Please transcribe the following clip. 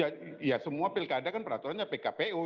ya semua pilkada kan peraturannya pkpu